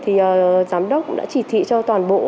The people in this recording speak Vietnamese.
thì giám đốc đã chỉ thị cho toàn bộ